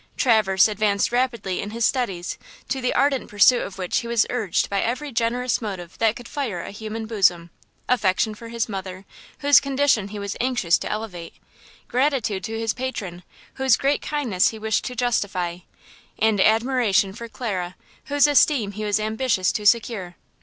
Traverse advanced rapidly in his studies, to the ardent pursuit of which he was urged by every generous motive that could fire a human bosom–affection for his mother, whose condition he was anxious to elevate; gratitude to his patron, whose great kindness he wished to justify, and admiration for Clara, whose esteem he was ambitious to secure.